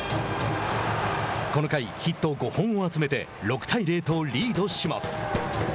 この回、ヒット５本を集めて６対０とリードします。